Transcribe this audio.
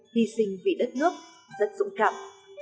hi sinh vì đất nước rất dũng cảm